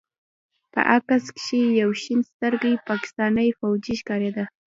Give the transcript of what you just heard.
په عکس کښې يو شين سترګى پاکستاني فوجي ښکارېده.